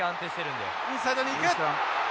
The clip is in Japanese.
インサイドに行く！